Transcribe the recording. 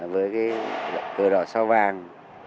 với cái cờ đỏ sao vàng